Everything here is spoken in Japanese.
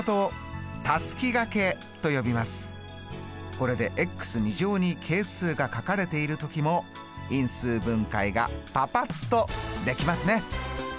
これでに係数が書かれている時も因数分解がパパっとできますね。